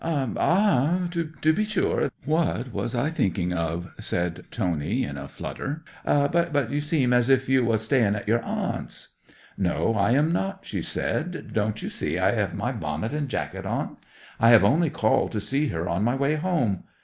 '"Ah, to be sure! What was I thinking of?" said Tony, in a flutter. "But you seem as if you was staying at your aunt's?" '"No, I am not," she said. "Don't you see I have my bonnet and jacket on? I have only called to see her on my way home.